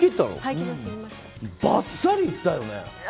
ばっさりいったよね。